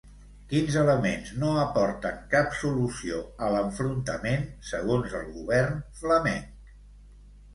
Quins elements no aporten cap solució a l'enfrontament, segons el govern flamenc?